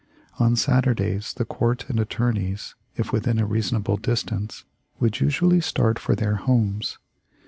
On Saturdays the court and attorneys, if within a reasonable distance, would usually start for their homes.